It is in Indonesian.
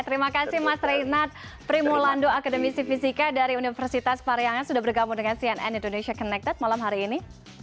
terima kasih mas renat primulando akademisi fisika dari universitas pariangan sudah bergabung dengan cnn indonesia connected malam hari ini